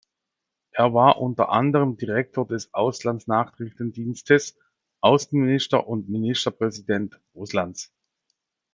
Er war unter anderem Direktor des Auslandsnachrichtendienstes, Außenminister und Ministerpräsident Russlands.